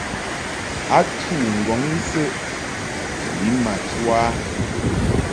A chû ŋgɔŋ isəʼ u lin ma chu a ?